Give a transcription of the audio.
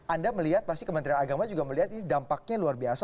anda melihat pasti kementerian agama juga melihat ini dampaknya luar biasa